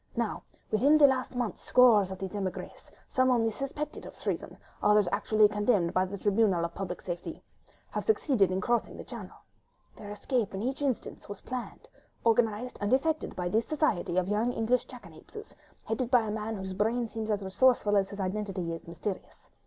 ... Now, within the last month, scores of these émigrés, some only suspected of treason, others actually condemned by the Tribunal of Public Safety, have succeeded in crossing the Channel. Their escape in each instance was planned, organised and effected by this society of young English jackanapes, headed by a man whose brain seems as resourceful as his identity is mysterious.